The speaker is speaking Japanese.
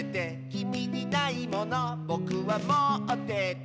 「きみにないものぼくはもってて」